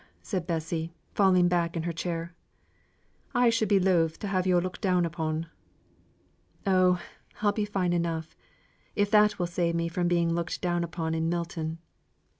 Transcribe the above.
said Bessy, falling back in her chair. "I should be loth to have yo' looked down upon." "Oh! I'll be fine enough, if that will save me from being looked down upon in Milton."